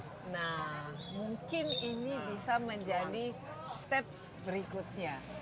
nah mungkin ini bisa menjadi step berikutnya